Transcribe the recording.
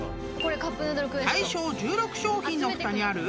［対象１６商品のふたにある